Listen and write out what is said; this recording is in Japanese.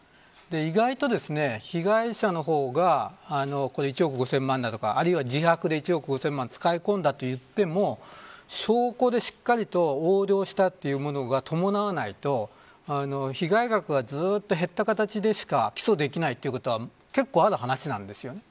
意外と被害者の方が１億５０００万とかあるいは自白で１億５０００万使い込んだといっても証拠でしっかりと横領したというものが伴わないと被害額は、ずっと減った形でしか起訴できないということは結構、ある話なんですよね。